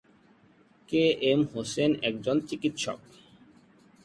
কে M Hossain একজন চিকিৎসক।